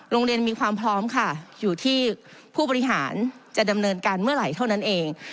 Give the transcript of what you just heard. มีความพร้อมค่ะอยู่ที่ผู้บริหารจะดำเนินการเมื่อไหร่เท่านั้นเอง